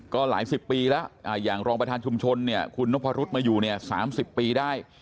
ก็หลายสิบปีแล้วอย่างรองประธานชุมชนเนี่ยคุณนพรุษมาอยู่เนี่ย๓๐ปีได้